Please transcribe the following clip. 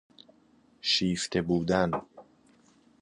شیفته بودن